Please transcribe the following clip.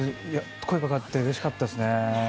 声がかかってうれしかったですね。